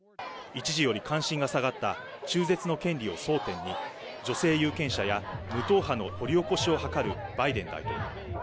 一時より関心が下がった中絶の権利を争点に、女性有権者や無党派の掘り起こしを図るバイデン大統領。